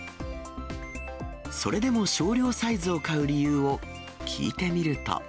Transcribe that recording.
それでも少量サイズを買う理由を聞いてみると。